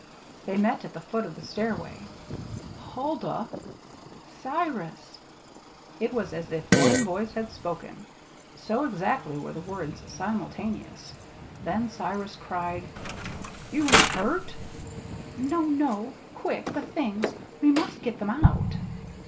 They met at the foot of the stairway. "Huldah!" "Cyrus!" It was as if one voice had spoken, so exactly were the words simultaneous. Then Cyrus cried: "You ain't hurt?" "No, no! Quick the things we must get them out!"